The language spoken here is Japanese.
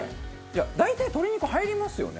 大体鶏肉入りますよね？